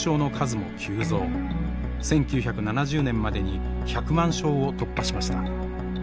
１９７０年までに１００万床を突破しました。